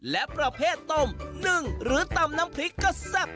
และประเภทต้มนึ่งหรือตำน้ำพริกก็แซ่บ